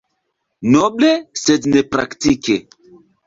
Noble, sed nepraktike.